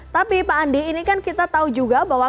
tapi pak andi ini kan kita tahu juga bahwa